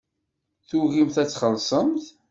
Tugimt ad txellṣemt.